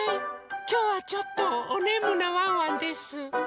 きょうはちょっとおねむなワンワンです。